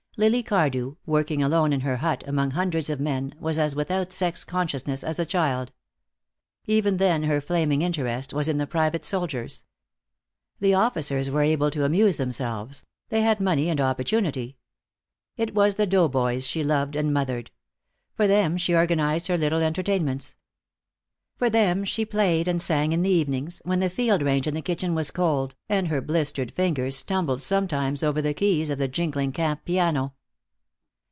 Lily Cardew, working alone in her hut among hundreds of men, was as without sex consciousness as a child. Even then her flaming interest was in the private soldiers. The officers were able to amuse themselves; they had money and opportunity. It was the doughboys she loved and mothered. For them she organized her little entertainments. For them she played and sang in the evenings, when the field range in the kitchen was cold, and her blistered fingers stumbled sometimes over the keys of the jingling camp piano.